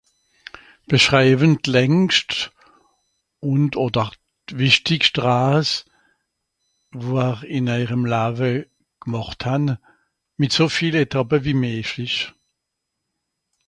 beschreiwen d'längscht ùnd òder d'wichtigscht Raas wò'ar ìn eijeri lawe gemàcht han mit so viele étàpe wie meischlisch